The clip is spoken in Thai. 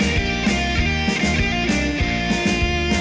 แต่ว่าตอนนี้ยังส่องจิตส่องใจว่าจะกินลูกชิ้นหรือกินก๋วยเตี๋ยวดี